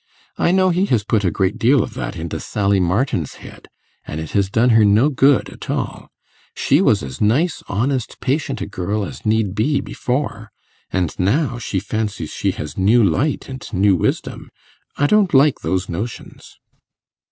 I know he has put a great deal of that into Sally Martin's head, and it has done her no good at all. She was as nice, honest, patient a girl as need be before; and now she fancies she has new light and new wisdom. I don't like those notions.